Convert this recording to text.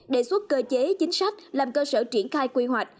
đề xuất cơ chế chính sách làm cơ sở triển khai quy hoạch